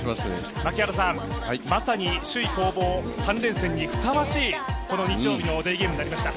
まさに首位攻防、３連戦にふさわしいふさわしい、この日曜日のデーゲームになりました。